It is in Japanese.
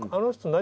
何？